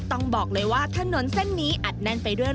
ต้องบอกเลยว่าถนนเส้นนี้อัดแน่นไปด้วย